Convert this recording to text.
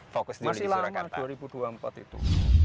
masih lama dua ribu dua puluh empat itu